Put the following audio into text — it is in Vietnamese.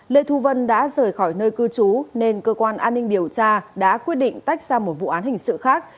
lê thu vân đã rời khỏi nơi cư trú nên cơ quan an ninh điều tra đã quyết định tách ra một vụ án hình sự khác